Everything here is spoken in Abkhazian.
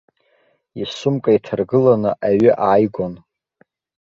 Исумка иҭаргыланы аҩы ааигон.